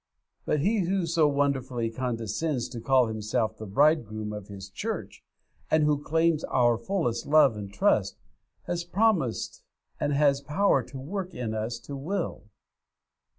But He who so wonderfully condescends to call Himself the Bridegroom of His church, and who claims our fullest love and trust, has promised and has power to work in us to will.